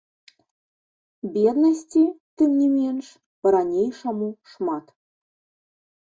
Беднасці, тым не менш, па-ранейшаму шмат.